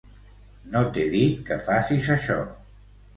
No t'he dit que facis això.